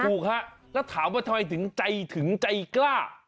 ถูกค่ะแล้วถามว่าทำไมถึงใจกล้า